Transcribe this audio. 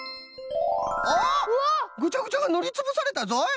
おっぐちゃぐちゃがぬりつぶされたぞい！